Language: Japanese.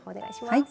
はい。